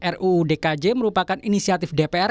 ruu dkj merupakan inisiatif dpr